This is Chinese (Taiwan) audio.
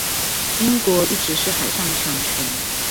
英國一直是海上強權